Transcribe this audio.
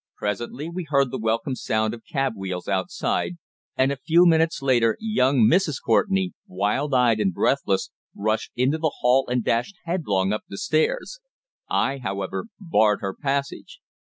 Presently we heard the welcome sound of cab wheels outside, and a few minutes later young Mrs. Courtenay, wild eyed and breathless, rushed into the hall and dashed headlong up the stairs. I, however, barred her passage.